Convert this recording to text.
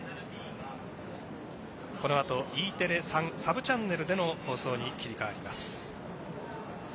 このあとＥテレ３サブチャンネルでの放送に切り替わります。